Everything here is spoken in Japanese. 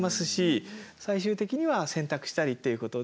最終的には洗濯したりっていうことで。